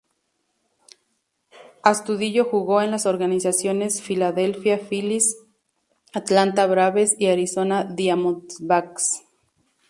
Astudillo jugó en las organizaciones Philadelphia Phillies, Atlanta Braves y Arizona Diamondbacks.